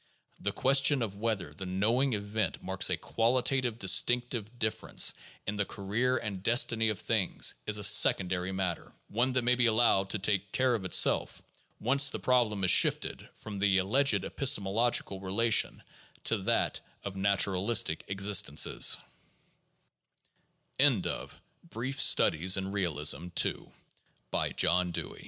The question of whether the knowing event marks a qualitative distinctive difference in the career and destiny of things is a secondary matter ; one that may be allowed to take care of itself, once the problem is shifted from the alleged epistemological relation to that of naturalistic existences. John Dew